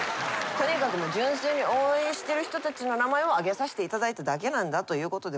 とにかく純粋に応援してる人たちの名前を挙げさせていただいただけと。